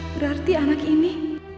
berarti anak ini